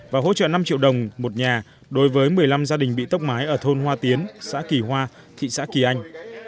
và hỗ trợ năm triệu đồng một nhà đối với một mươi năm gia đình bị tốc mái ở thôn hoa tiến xã kỳ hoa thị xã kỳ anh